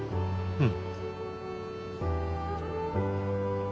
うん。